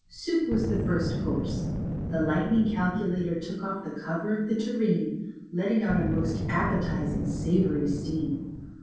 Soup was the first course. The Lightning Calculator took off the cover of the tureen, letting out a most appetizing, savory steam.